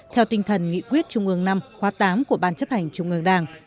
theo tinh thần nghị quyết trung ương v khóa viii của ban chấp hành trung ương đảng